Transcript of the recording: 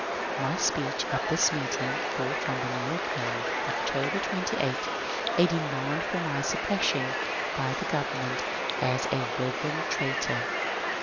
My speech at this meeting brought from the " New York Herald *' (October 28)* a demand for my suppression by the government as a *^ re verend traitor."